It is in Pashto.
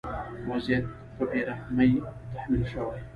وضعیت په بې رحمۍ تحمیل شوی.